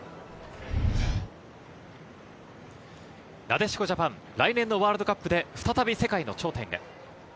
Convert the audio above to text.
なでしこジャパン、来年のワールドカップで再び世界の頂点へ。